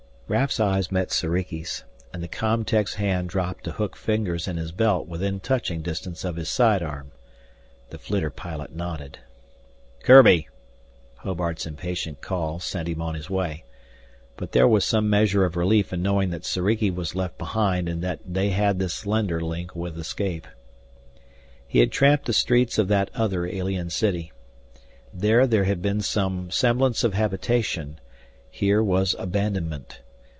Raf's eyes met Soriki's, and the com tech's hand dropped to hook fingers in his belt within touching distance of his side arm. The flitter pilot nodded. "Kurbi!" Hobart's impatient call sent him on his way. But there was some measure of relief in knowing that Soriki was left behind and that they had this slender link with escape. He had tramped the streets of that other alien city. There there had been some semblance of habitation; here was abandonment.